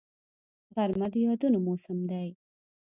غرمه د یادونو موسم دی